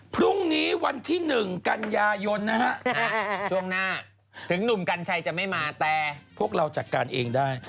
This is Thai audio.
พรุ่งนี้วันที่๑กันยายนนะฮะช่วงหน้าถึงหนุ่มกัญชัยจะไม่มาแต่พวกเราจัดการเองได้